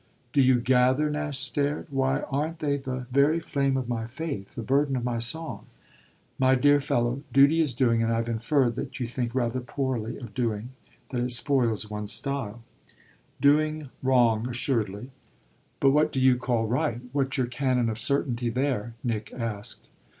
"Do you 'gather'?" Nash stared. "Why, aren't they the very flame of my faith, the burden of my song?" "My dear fellow, duty is doing, and I've inferred that you think rather poorly of doing that it spoils one's style." "Doing wrong, assuredly." "But what do you call right? What's your canon of certainty there?" Nick asked.